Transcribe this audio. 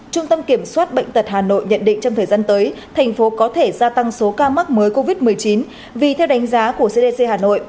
trung tâm kiểm soát bệnh tật hà nội nhận định trong thời gian tới thành phố có thể gia tăng số ca mắc mới covid một mươi chín vì theo đánh giá của cdc hà nội